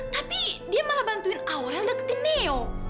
tapi dia malah bantuin aurel deketin neo